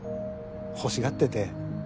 欲しがってて。